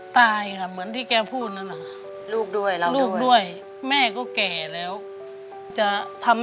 ตายค่ะเหมือนที่แกพูดแล้วหรอ